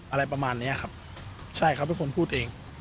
อะไรประมาณเนี้ยครับใช่เขาเป็นคนพูดเอง